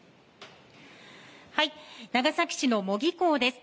長崎市の茂木港です。